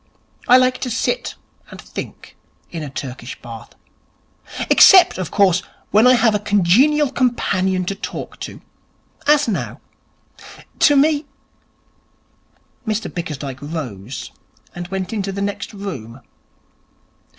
I like to sit and think in a Turkish Bath. Except, of course, when I have a congenial companion to talk to. As now. To me ' Mr Bickersdyke rose, and went into the next room.